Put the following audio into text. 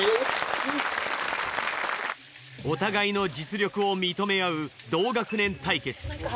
お互いの実力を認め合う同学年対決。